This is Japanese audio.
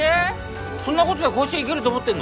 そんなことで甲子園行けると思ってんの？